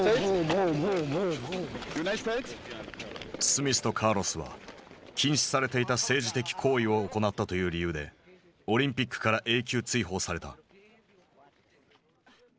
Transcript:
スミスとカーロスは禁止されていた政治的行為を行ったという理由でオリンピックから永久追放された。